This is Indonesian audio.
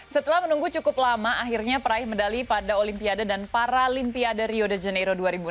setelah menunggu cukup lama akhirnya peraih medali pada olimpiade dan paralimpiade rio de janeiro dua ribu enam belas